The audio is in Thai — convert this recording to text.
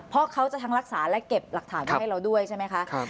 เพราะเขาจะทั้งรักษาและเก็บหลักฐานมาให้เราด้วยใช่ไหมคะ